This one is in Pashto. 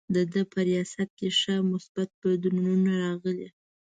د ده په ریاست کې ښه مثبت بدلونونه راغلي.